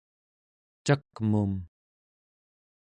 cak'mum